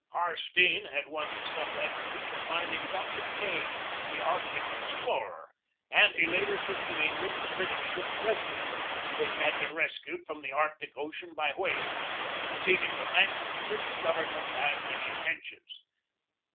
Harstene had won celebrity for finding Doctor Kane, the Arctic explorer, and he later took to England the British ship Resolute, which had been rescued from the Arctic Ocean by whalers, receiving the thanks of the British Government and many attentions.